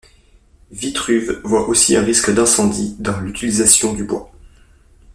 Vitruve voit aussi un risque d'incendie dans l'utilisation du bois.